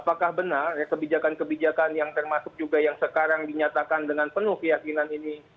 apakah benar kebijakan kebijakan yang termasuk juga yang sekarang dinyatakan dengan penuh keyakinan ini